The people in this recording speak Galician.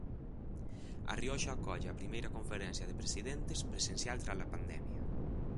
A Rioxa acolle a primeira Conferencia de Presidentes presencial tras a pandemia.